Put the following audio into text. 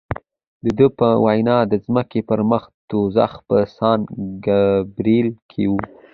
د ده په وینا د ځمکې پر مخ دوزخ په سان ګبرېل کې و.